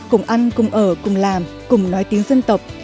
cùng ăn cùng ở cùng làm cùng nói tiếng dân tộc